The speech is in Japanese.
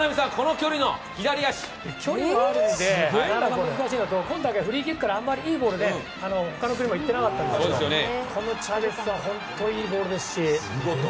距離もあるんでなかなか難しいのと今大会はフリーキックからあまりいいゴールが他の国はいっていなかったんですがこのチャベスは本当にいいゴールです。